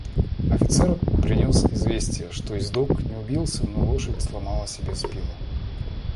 Офицер принес известие, что ездок не убился, но лошадь сломала себе спину.